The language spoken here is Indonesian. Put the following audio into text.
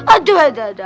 aduh aduh aduh